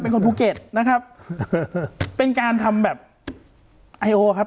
คนภูเก็ตนะครับเป็นการทำแบบไอโอครับ